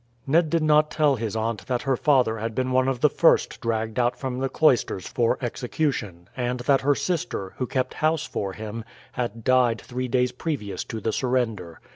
Ned did not tell his aunt that her father had been one of the first dragged out from the cloisters for execution, and that her sister, who kept house for him, had died three days previous to the surrender.